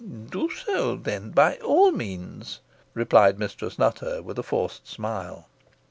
"Do so, then, by all means," replied Mistress Nutter with a forced smile.